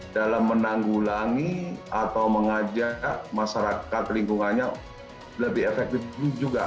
dalam menanggulangi atau mengajak masyarakat lingkungannya lebih efektif juga